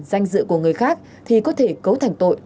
danh dự của người khác thì có thể cấu thành tội